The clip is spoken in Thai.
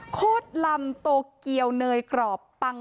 โคตรลำโตเกียวเนยกรอบปัง